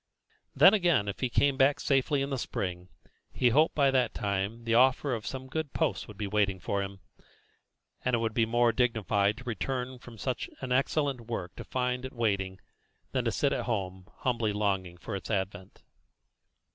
Then, again, if he came back safely in the spring, he hoped by that time the offer of some good post would be waiting for him; and it would be more dignified to return from such an excellent work to find it waiting, than to sit at home humbly longing for its advent.